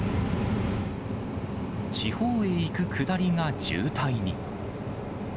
地方へ行く下りが渋滞に。